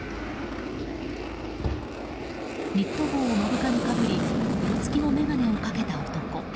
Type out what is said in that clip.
ニット帽を目深にかぶり色付きの眼鏡をかけた男。